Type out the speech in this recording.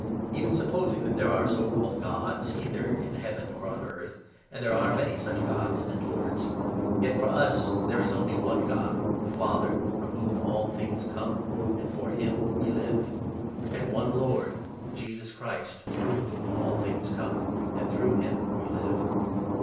Even supposing that there are so 5 called ' gods ' either in Heaven or on earth — and there are many such ' gods ' and ' lords '— yet for us there is only one God, the 6 Father, from whom all things come (and for him we live), and one Lord, Jesus Christ, through whom all things come (and through him we live).